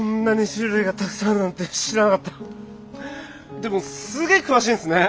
でもすげえ詳しいんすね！